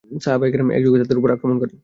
সাহাবায়ে কেরাম একযোগে তাদের উপর আক্রমণ করেন।